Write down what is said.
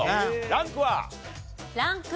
ランク４。